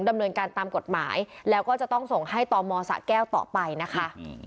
ดำเนินการตามกฎหมายแล้วก็จะต้องส่งให้ตมสะแก้วต่อไปนะคะ